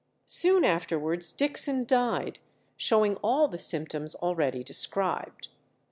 Soon afterwards Dixon died, showing all the symptoms already described.